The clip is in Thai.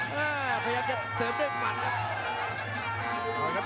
พยายามจะเสริมด้วยหมัดครับ